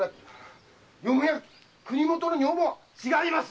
よもや国元の女房が⁉違います！